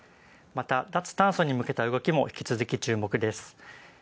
また脱炭素に向けた動きも引き続き注目です。